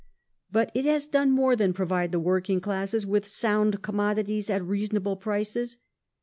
But it has done more than provide the working classes with sound commodities at reasonable prices.